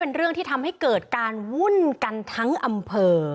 เรื่องที่ทำให้เกิดการวุ่นกันทั้งอำเภอ